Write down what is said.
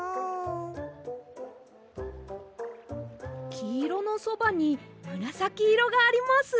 きいろのそばにむらさきいろがあります。